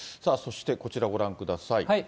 そしてこちらご覧ください。